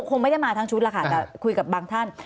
คงไม่ได้มาทั้งชุดแล้วค่ะแต่คุยกับบางท่าน